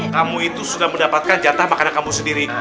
kamu itu sudah mendapatkan jatah makanan kamu sendiri